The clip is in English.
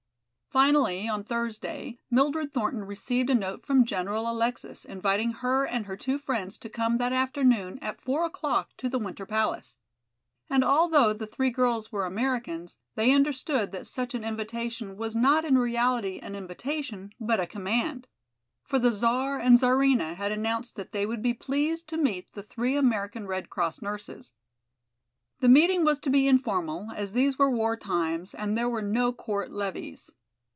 Finally, on Thursday, Mildred Thornton received a note from General Alexis inviting her and her two friends to come that afternoon at four o'clock to the Winter Palace. And although the three girls were Americans, they understood that such an invitation was not in reality an invitation, but a command. For the Czar and Czarina had announced that they would be pleased to meet the three American Red Cross nurses. The meeting was to be informal, as these were war times and there were no court levees.